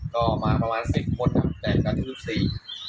ก็มาประมาณสิบคนแต่ก็สิบสี่